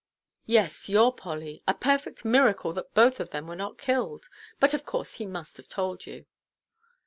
"Yes, your Polly. A perfect miracle that both of them were not killed. But, of course, he must have told you."